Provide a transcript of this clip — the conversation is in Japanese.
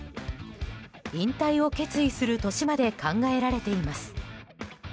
引退を決意する年まで考えられています。